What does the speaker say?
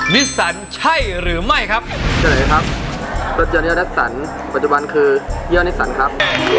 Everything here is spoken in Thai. นิสันใช่หรือไม่ครับเชิญเลยครับลดยนต์ยี่ห้อดัสสันปัจจุบันคือเยี่ยวในสันครับ